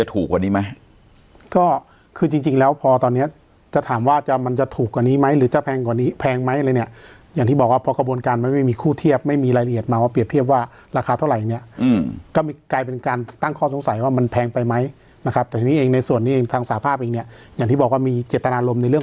ถูกกว่านี้ไหมก็คือจริงจริงแล้วพอตอนเนี้ยจะถามว่าจะมันจะถูกกว่านี้ไหมหรือจะแพงกว่านี้แพงไหมอะไรเนี่ยอย่างที่บอกว่าพอกระบวนการมันไม่มีคู่เทียบไม่มีรายละเอียดมาว่าเปรียบเทียบว่าราคาเท่าไหร่เนี่ยก็กลายเป็นการตั้งข้อสงสัยว่ามันแพงไปไหมนะครับแต่ทีนี้เองในส่วนนี้เองทางสาภาพเองเนี่ยอย่างที่บอกว่ามีเจตนารมณ์ในเรื่อง